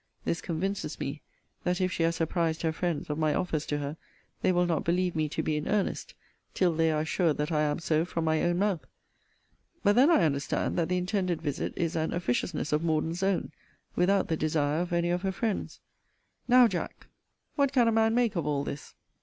This convinces me, that if she has apprized her friends of my offers to her, they will not believe me to be in earnest, till they are assured that I am so from my own mouth. But then I understand, that the intended visit is an officiousness of Morden's own, without the desire of any of her friends. Now, Jack, what can a man make of all this?